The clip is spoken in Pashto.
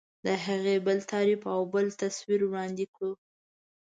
د هغې بل تعریف او بل تصویر وړاندې کړو.